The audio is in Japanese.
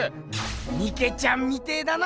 ミケちゃんみてえだな。